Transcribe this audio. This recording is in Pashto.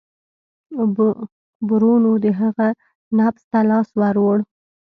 برونو د هغه نبض ته لاس ووړ.